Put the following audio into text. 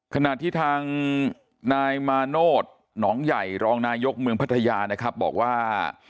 ขณะที่ทางนายมาโนธหนองใหญ่รองนายกเมืองพัทยานะครับบอกว่า